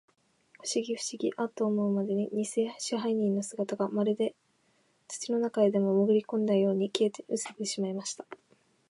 ふしぎ、ふしぎ、アッと思うまに、にせ支配人の姿が、まるで土の中へでも、もぐりこんだように、消えうせてしまいました。